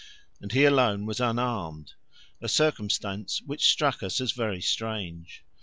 And he alone was unarmed, a circumstance which struck us as very strange.